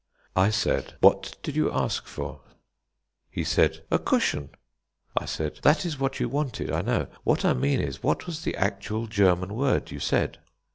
I said: "What did you ask for?" He said: "A cushion" I said: "That is what you wanted, I know. What I mean is, what was the actual German word you said."